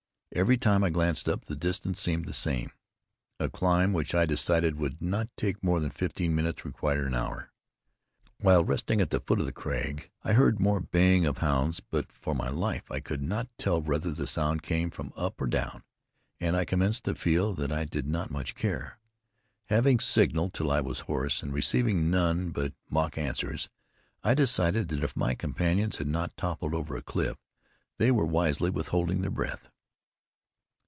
Every time I glanced up, the distance seemed the same. A climb which I decided would not take more than fifteen minutes, required an hour. While resting at the foot of the crag, I heard more baying of hounds, but for my life I could not tell whether the sound came from up or down, and I commenced to feel that I did not much care. Having signaled till I was hoarse, and receiving none but mock answers, I decided that if my companions had not toppled over a cliff, they were wisely withholding their breath.